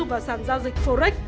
và sản giao dịch forex